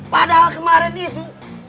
padahal kemarin itu